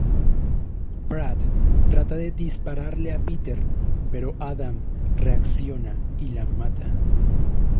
Pratt trata de dispararle a Peter, pero Adam reacciona y la mata.